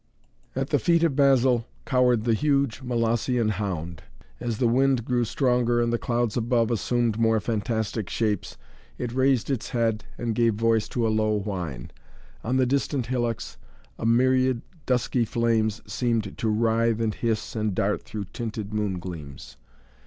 At the feet of Basil cowered the huge Molossian hound. As the wind grew stronger and the clouds above assumed more fantastic shapes, it raised its head and gave voice to a low whine. On the distant hillocks a myriad dusky flames seemed to writhe and hiss and dart through tinted moon gleams.